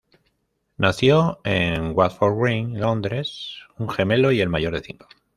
Nació en Woodford Green, Londres, un gemelo y el mayor de cinco.